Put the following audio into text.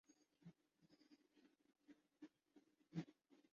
کہ اس عمل کی دوران میں جو زلزلی آئیں گی وہ مزید زلزلوں کو جنم دینی کا باعث بن سکتی ہیں